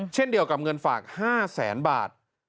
เช่นเดียวกับเงินฝาก๕แสนบาท